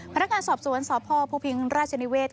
พนักงานสอบสวนสพภูพิงราชนิเวศ